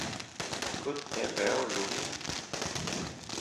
Kutembeho linu.